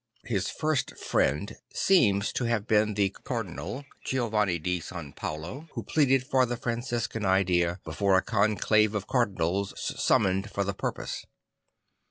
His first friend seems to have been the Cardinal Giovanni di San Paolo who pleaded for the Franciscan idea before a conclave of Cardinals summoned for the purpose.